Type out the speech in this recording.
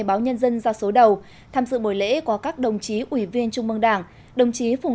báo nhân dân ra số đầu tham dự buổi lễ có các đồng chí ủy viên trung mương đảng đồng chí phùng